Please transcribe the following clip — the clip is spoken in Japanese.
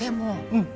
うん。